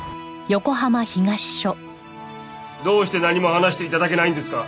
どうして何も話して頂けないんですか？